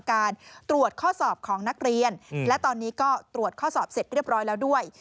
ข้อสอบเสร็จเรียบร้อยแล้วด้วย